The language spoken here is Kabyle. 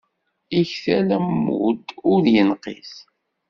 Iktal ammud, ur inqis.